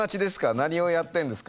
何をやってんですか？